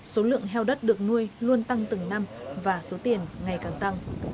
số lượng heo đất được nuôi luôn tăng từng năm và số tiền ngày càng tăng